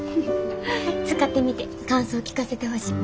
使ってみて感想聞かせてほしい。